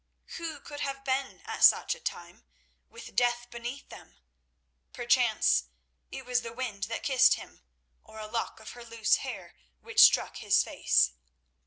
Who could have been at such a time, with death beneath them? Perchance it was the wind that kissed him, or a lock of her loose hair which struck across his face.